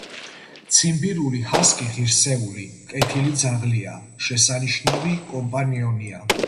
ციმბირული ჰასკი ღირსეული, კეთილი ძაღლია, შესანიშნავი კომპანიონია.